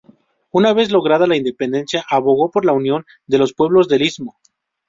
Una vez lograda la independencia, abogó por la unión de los pueblos del istmo.